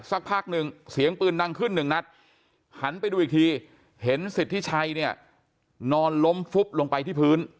สักพักหนึ่งเสียงปืนดังขึ้นหนึ่งนัดหันไปดูอีกทีเห็นสิทธิชัยเนี่ยนอนล้มฟุบลงไปที่พื้น